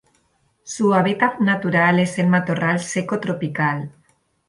Su hábitat natural es el matorral seco tropical.